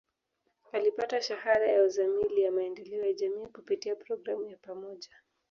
Alipata Shahada ya Uzamili ya Maendeleo ya Jamii kupitia programu ya pamoja